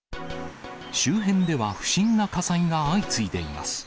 周辺では不審な火災が相次いでいます。